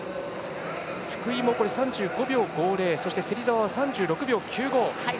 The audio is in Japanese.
福井も３５秒５０芹澤は３６秒９５。